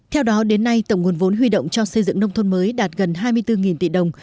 theo đó đến nay tổng nguồn vốn huy động cho xây dựng nông thôn mới đạt gần hai mươi bốn tỷ đồng